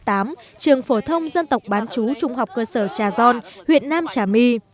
trường phổ thông dân tộc bán chú trung học cơ sở trà gion huyện nam trà my